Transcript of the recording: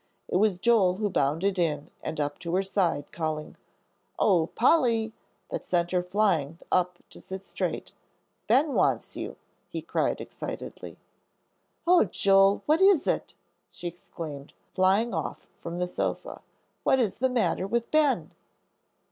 It was Joel who bounded in and up to her side, calling, "Oh, Polly!" that sent her flying up to sit straight. "Ben wants you," he cried excitedly. "Oh, Joel, what is it?" she exclaimed, flying off from the sofa; "what is the matter with Ben?"